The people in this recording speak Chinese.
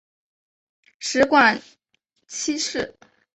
食管憩室。